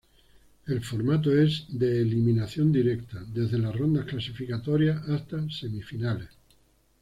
El formato es a eliminación directa, desde las rondas clasificatorias hasta semifinales.